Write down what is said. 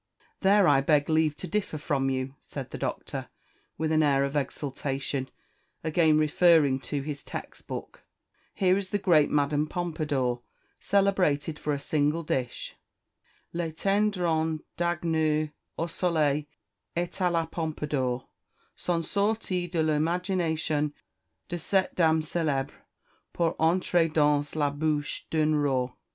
"There I beg leave to differ from you," said the Doctor, with an air of exultation, again referring to his text book "here is the great Madame Pompadour, celebrated for a single dish: 'Les tendrons d'agneau au soleil et à la Pompadour, sont sortis de l'imagination de cette dame célèbre, pour entrer dans la bouche d'un roi."